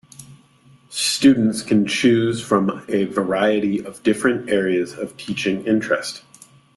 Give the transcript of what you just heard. Students can choose from a variety of different areas of teaching interest.